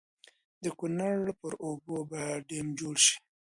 د کنړ پر اوبو به ډېم جوړ شي.